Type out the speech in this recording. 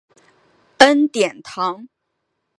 恩典堂。